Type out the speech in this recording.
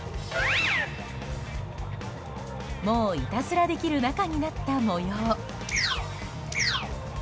もう、いたずらできる仲になった模様。